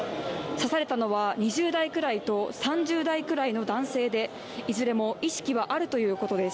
刺されたのは２０代ぐらいと３０代ぐらいの男性でいずれも意識はあるということです。